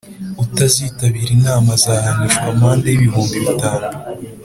Utazitabira inama azahanishwa amande y’ibihumbi bitanu